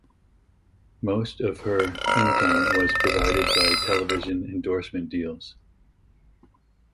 Most of her income was provided by television endorsement deals.